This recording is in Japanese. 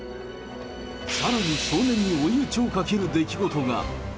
さらに少年に追い打ちをかける出来事が。